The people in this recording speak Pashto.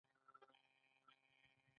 دا سند د یوې ادارې لخوا لیږل کیږي.